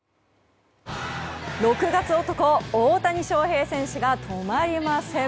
６月男、大谷翔平選手が止まりません。